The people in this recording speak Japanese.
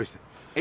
え？